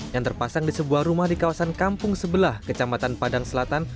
yang terpasang di sebuah rumah di kawasan kampung sebelah kecamatan padang selatan